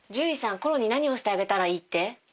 コロに何をしてあげたらいいって？